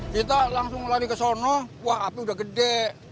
kita langsung lari ke sana wah api udah gede